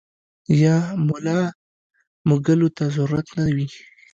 يا ملا مږلو ته ضرورت نۀ وي -